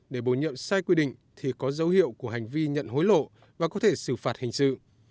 để bổ nhiệm sai quy định thì có dấu hiệu của hành vi nhận hối lộ và có thể xử phạt hành sự